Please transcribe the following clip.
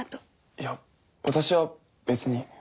いや私は別に。